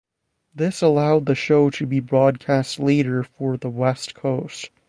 This allowed the show to be broadcast later for the West Coast.